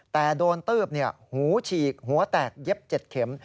แต่โดนตืบหูฉีกหัวแตกเย็บ๗เข็ม